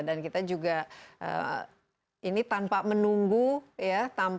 dan kita juga ini tanpa menunggu ya